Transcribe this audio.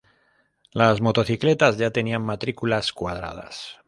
Las motocicletas ya tenían matrículas cuadradas.